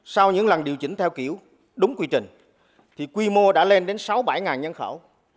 sau những lần điều chỉnh theo kiểu đúng quy trình thì quy mô đã lên đến sáu bảy nhân khẩu